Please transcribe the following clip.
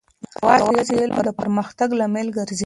یوازې علم د پرمختګ لامل ګرځي.